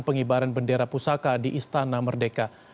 pengibaran bendera pusaka di istana merdeka